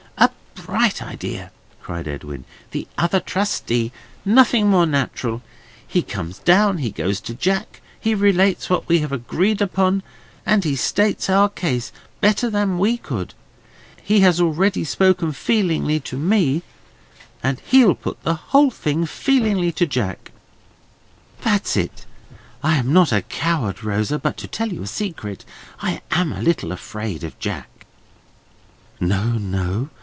"A bright idea!" cried Edwin. "The other trustee. Nothing more natural. He comes down, he goes to Jack, he relates what we have agreed upon, and he states our case better than we could. He has already spoken feelingly to you, he has already spoken feelingly to me, and he'll put the whole thing feelingly to Jack. That's it! I am not a coward, Rosa, but to tell you a secret, I am a little afraid of Jack." "No, no!